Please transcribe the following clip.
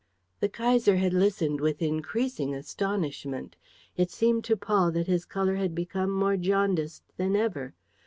The Kaiser had listened with increasing astonishment. It seemed to Paul that his color had become more jaundiced than ever.